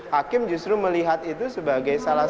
hakim justru melihat itu sebagai salah satu